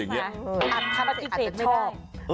อันนี้คำถาสิไม่ได้